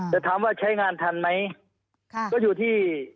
แต่ถามว่าใช้งานทันไหมก็อยู่ที่